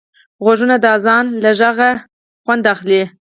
غوږونه د اذان له غږه خوند اخلي